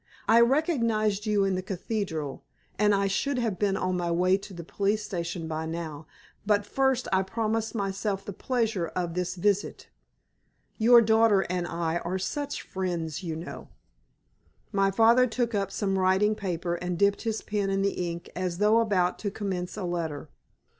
I recognized you in the cathedral, and I should have been on my way to the police station by now, but first I promised myself the pleasure of this visit. Your daughter and I are such friends, you know." My father took up some writing paper and dipped his pen in the ink as though about to commence a letter.